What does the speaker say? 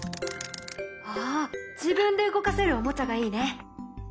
あ自分で動かせるおもちゃがいいね。